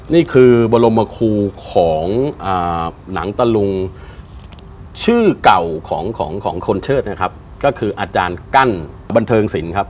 นี่คือบรมคูของหนังตะลุงชื่อเก่าของของคนเชิดนะครับก็คืออาจารย์กั้นบันเทิงศิลป์ครับ